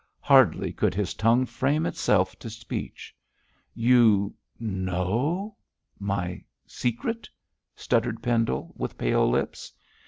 Hardly could his tongue frame itself to speech. 'You know my secret!' stuttered Pendle, with pale lips.